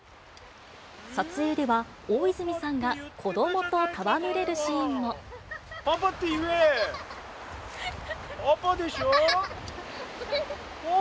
撮影では、大泉さんが子どもと戯れるシーンも。